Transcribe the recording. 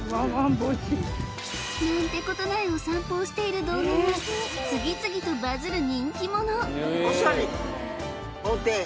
帽子何てことないお散歩をしている動画が次々とバズる人気者お座りお手